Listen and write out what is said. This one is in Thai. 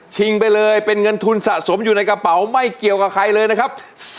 ไปเลยเป็นเงินทุนสะสมอยู่ในกระเป๋าไม่เกี่ยวกับใครเลยนะครับ